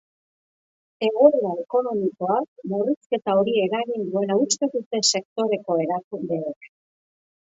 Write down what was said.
Egoera ekonomikoak murrizketa hori eragin duela uste dute sektoreko erakundeek.